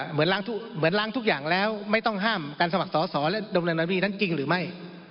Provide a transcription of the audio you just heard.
เหมือนล้างทุกอย่างแล้วไม่ต้องห้ามการสมัครสอสอและดำเนินคดีนั้นจริงหรือไม่